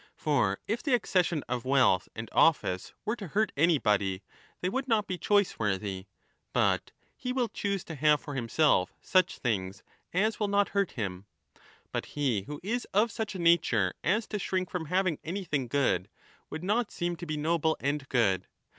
For if the accession of wealth and office were to hurt any body, they would not be choiceworthy, but he will choose to have for himself such things as will not hurt him. But he who is of such a nature as to shrink from having anything 1208* good would not seem to be noble and good.